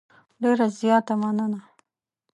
ډېره زیاته مننه .